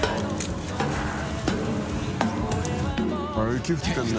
雪降ってるな。